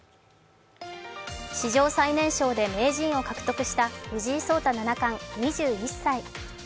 史上最年少で名人を獲得した藤井聡太七冠、２１歳。